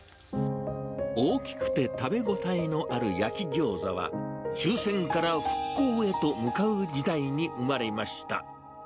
大きくて食べ応えのある焼きギョーザは、終戦から復興へと向かう時代に生まれました。